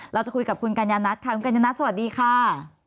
เราจะคุยกับคุณกัญญานัทค่ะคุณกัญญานัทสวัสดีค่ะ